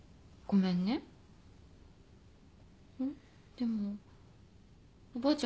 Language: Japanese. でもおばあちゃん